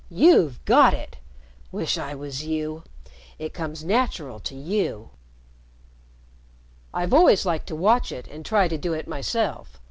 You've got it! Wish I was you! It comes natural to you." "I've always liked to watch it and try to do it myself.